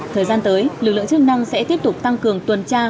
thời gian tới lực lượng chức năng sẽ tiếp tục tăng cường tuần tra